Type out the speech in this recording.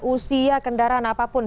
usia kendaraan apapun